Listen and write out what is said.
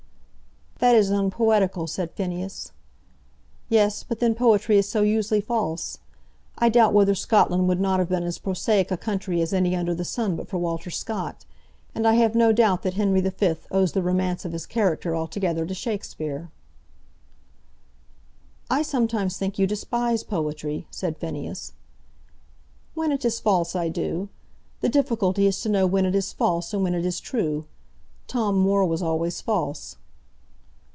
"That is unpoetical," said Phineas. "Yes; but then poetry is so usually false. I doubt whether Scotland would not have been as prosaic a country as any under the sun but for Walter Scott; and I have no doubt that Henry V owes the romance of his character altogether to Shakspeare." "I sometimes think you despise poetry," said Phineas. "When it is false I do. The difficulty is to know when it is false and when it is true. Tom Moore was always false."